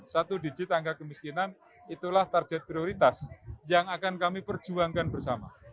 satu digit angka kemiskinan itulah target prioritas yang akan kami perjuangkan bersama